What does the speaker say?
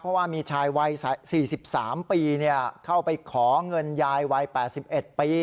เพราะว่ามีชายวัย๔๓ปีเข้าไปขอเงินยายวัย๘๑ปี